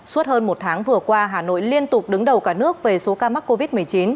suốt hơn một tháng vừa qua hà nội liên tục đứng đầu cả nước về số ca mắc covid một mươi chín